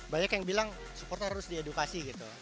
banyak yang bilang supporter harus diedukasi gitu